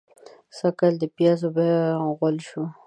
سږکال د پيازو بيه غول شوه.